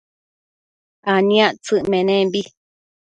aniactsëc menembi